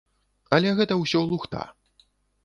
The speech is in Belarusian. Але гэта ўсё лухта.